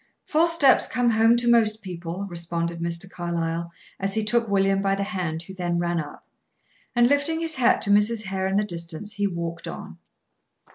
"False steps come home to most people," responded Mr. Carlyle, as he took William by the hand, who then ran up. And, lifting his hat to Mrs. Hare in the distance, he walked on.